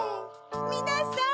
みなさん